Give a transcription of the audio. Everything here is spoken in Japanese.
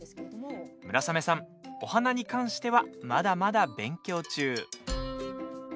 村雨さん、お花に関してはまだまだ勉強中。